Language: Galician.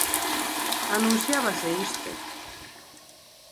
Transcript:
Anunciábase isto.